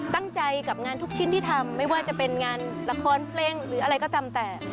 ตั้งใจกับงานทุกชิ้นที่ทำไม่ว่าจะเป็นงานละครเพลงหรืออะไรก็ตามแต่